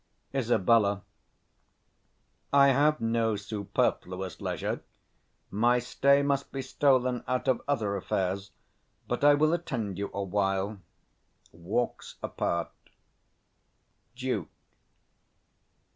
Isab. I have no superfluous leisure; my stay must be stolen out of other affairs; but I will attend you awhile. 155 [Walks apart. _Duke.